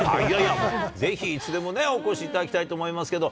ぜひいつでもね、お越しいただきたいと思いますけど。